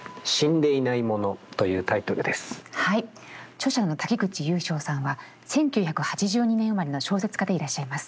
著者の滝口悠生さんは１９８２年生まれの小説家でいらっしゃいます。